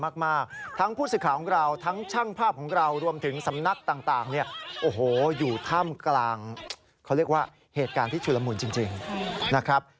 เขาเรียกว่าเหตุการณ์ที่ชุดละมุนจริงนะครับ